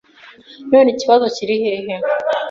None ikibazo kiri hehe